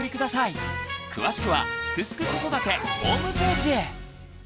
詳しくは「すくすく子育て」ホームページへ。